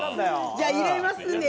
じゃ、入れますね。